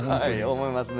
思いますね。